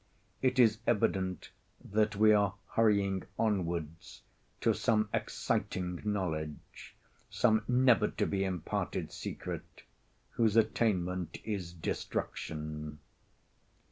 It is evident that we are hurrying onwards to some exciting knowledge—some never to be imparted secret, whose attainment is destruction.